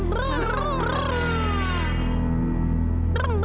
kau bisa melakukannya clearance